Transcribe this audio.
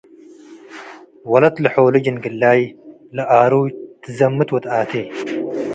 ወለት ለሖሉ ጅንግላይ ለኣሩይ ትዘምት ወተኣቴ